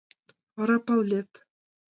— Вара палет.